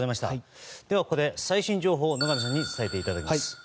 ここで最新情報を野上さんに伝えてもらいます。